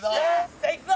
さあいくぞ！